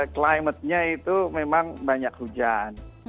klimatnya itu memang banyak hujan